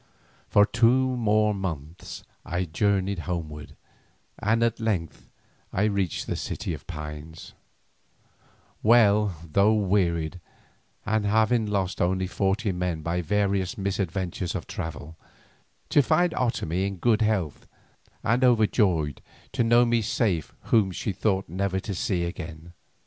For two more months I journeyed homeward and at length I reached the City of Pines, well though wearied, and having lost only forty men by various misadventures of travel, to find Otomie in good health, and overjoyed to know me safe whom she thought never to see again.